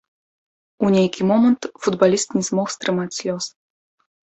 У нейкі момант футбаліст не змог стрымаць слёз.